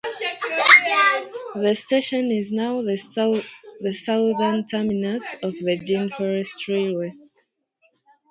The station is now the southern terminus of the Dean Forest Railway.